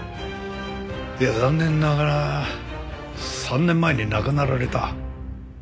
残念ながら３年前に亡くなられた。